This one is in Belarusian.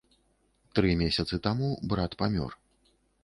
Тры месяцы таму брат памёр.